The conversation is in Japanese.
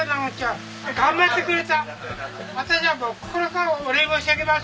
私はもう心からお礼申し上げます。